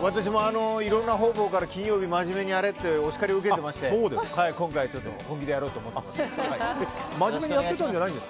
私もいろんな方向から金曜日まじめにやれってお叱り受けてまして今回、本気でやろうと思っています。